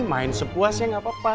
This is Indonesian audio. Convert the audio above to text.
main sepuas ya gak apa apa